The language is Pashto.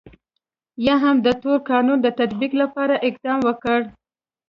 یا هم د تور قانون د تطبیق لپاره اقدام وکړ.